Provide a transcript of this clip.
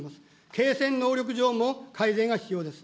継戦能力上も改善が必要です。